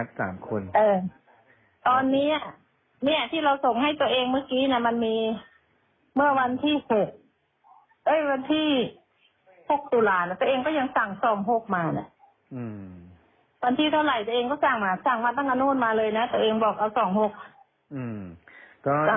สั่งมาตั้งกันโน้นมาเลยนะตัวเองบอกเอา๒๖